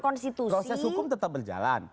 proses hukum tetap berjalan